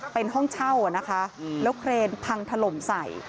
เป็นห้องเช่านะคะแล้วเครนพังถล่มใส่